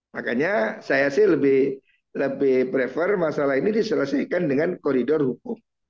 makanya saya sih lebih prefer masalah ini diselesaikan dengan koridor hukum